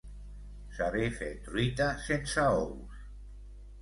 Saber fer truita sense ous.